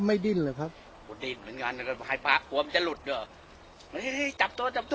ไม่รึครับเหมือนกันไม่ให้ตัวมันจะหลุดให้จับตัวจับตัว